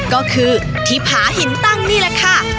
ก็คือที่ผาหินตั้งนี่แหละค่ะ